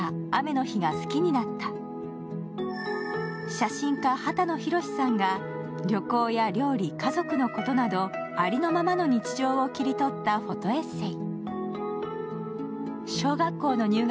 写真家、幡野広志さんが旅行や料理家族のことなどありのままの日常を切り取ったフォトエッセー